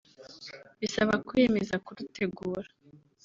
bisaba kwiyemeza kurutegura